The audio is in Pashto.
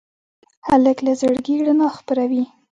هلک له زړګي رڼا خپروي.